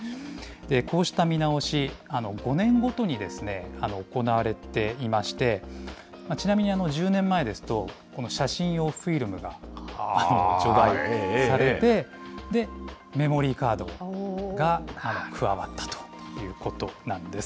こうした見直し、５年ごとに行われていまして、ちなみに１０年前ですと、この写真用フィルムが除外されて、で、メモリーカードが加わったということなんです。